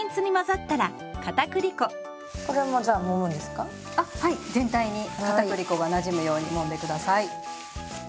全体にかたくり粉がなじむようにもんで下さい。